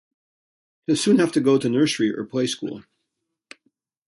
He'll soon have to go to nursery or playschool.